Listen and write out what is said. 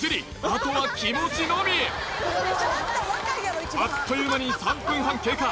あとは気持ちのみあっという間に３分半経過